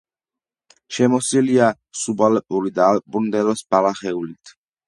შემოსილია სუბალპური და ალპური მდელოს ბალახეულით.